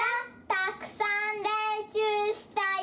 たくさんれんしゅうしたよ！